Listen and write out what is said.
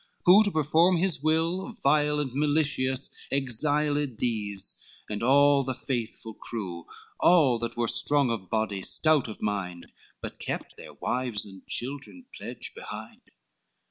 Who to perform his will, vile and malicious, Exiled these, and all the faithful crew, All that were strong of body, stout of mind, But kept their wives and children pledge behind.